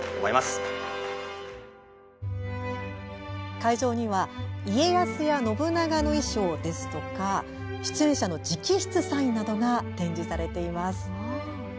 会場には家康や信長の衣装ですとか出演者の直筆サインなどが展示されています。